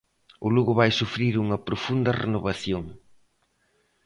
O Lugo vai sufrir unha profunda renovación.